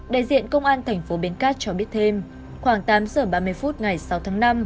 đại diện công an thành phố bến cát cho biết thêm khoảng tám giờ ba mươi phút ngày sáu tháng năm